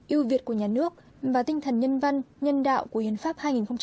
yêu việt của nhà nước và tinh thần nhân văn nhân đạo của hiến pháp hai nghìn một mươi ba